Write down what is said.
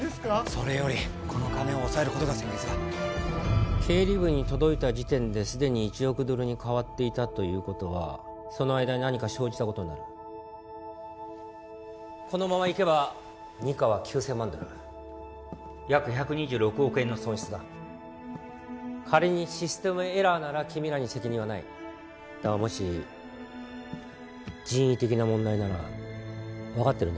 それよりこの金をおさえることが先決だ経理部に届いた時点ですでに１億ドルに変わっていたということはその間に何か生じたことになるこのままいけば２課は９千万ドル約１２６億円の損失だ仮にシステムエラーなら君らに責任はないだがもし人為的な問題なら分かってるね